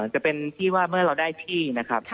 จะเป็นที่ว่าเมื่อเราได้ที่นะครับ